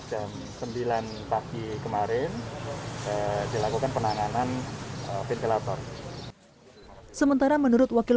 jam sembilan pagi kemarin dilakukan penanganan ventilator sementara menurut wakil